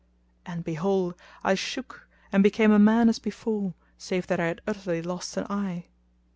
And behold, I shook, and became a man as before, save that I had utterly lost an eye.